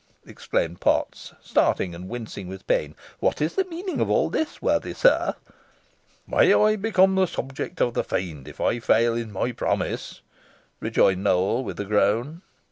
exclaimed Potts, starting, and wincing with pain. "What is the meaning of all this, worthy sir?" "'May I become the subject of the Fiend if I fail in my promise,'" rejoined Nowell, with a groan.